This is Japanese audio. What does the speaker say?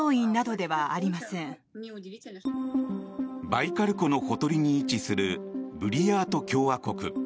バイカル湖のほとりに位置するブリヤート共和国。